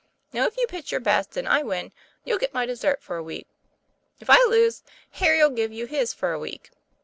Now if you pitch your best and I win, you'll get my dessert fora week; if I lose, Harry '11 give you his for a week."